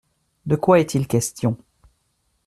De quoi est-il question ?